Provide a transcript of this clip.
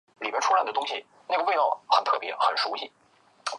森林内有部分商业伐木活动。